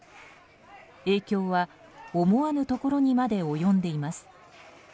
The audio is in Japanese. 影響は思わぬところにまで及んでいます。